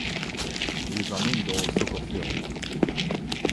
It is an indoor soccer field.